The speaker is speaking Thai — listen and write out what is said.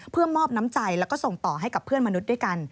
เพื่อมอบน้ำใจแล้วก็ส่งต่อให้กับเพื่อนมนุษย์ด้วยกัน